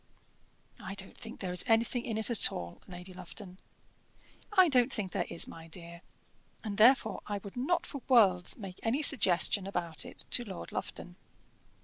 "I don't think there is anything in it at all, Lady Lufton." "I don't think there is, my dear, and therefore I would not for worlds make any suggestion about it to Lord Lufton.